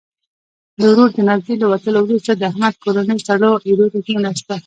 د ورور جنازې له وتلو وروسته، د احمد کورنۍ سړو ایرو ته کېناستل.